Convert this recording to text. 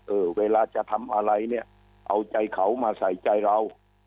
เออเวลาจะทำอะไรเนี่ยเอาใจเขามาใส่ใจเรา